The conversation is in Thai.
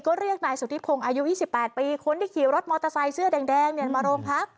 ก็เรียกนายสุธิพงศ์อายุ๒๘ปีคนที่ขี่รถมอเตอร์ไซค์เสื้อแดงเนี่ยมาโรงพัก